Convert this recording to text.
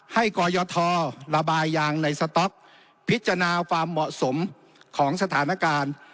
กรยทระบายยางในสต๊อกพิจารณาความเหมาะสมของสถานการณ์